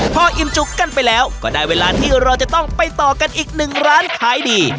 พออิ่มจุกกันไปแล้วก็ได้เวลาที่เราจะต้องไปต่อกันอีกหนึ่งร้านขายดี